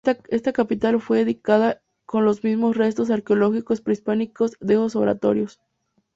Esta capilla fue edificada con los mismos restos arqueológicos prehispánicos de esos oratorios.